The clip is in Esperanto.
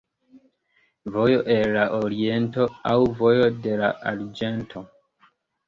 Vojo el la Oriento aŭ vojo de la arĝento.